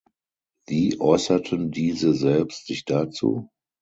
Wie äußerten diese selbst sich dazu?